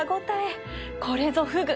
これぞフグ。